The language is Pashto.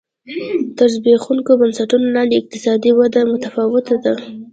تر زبېښونکو بنسټونو لاندې اقتصادي وده متفاوته ده.